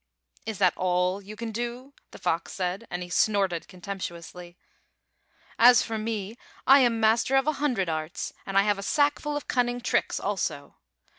"Is that all you can do?" the fox said, and he snorted contemptuously. "As for me, I am master of a hundred arts, and I have a sackful of cunning tricks also.